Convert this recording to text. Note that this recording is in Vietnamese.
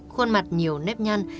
khuôn mặt nhiều nếp nhăn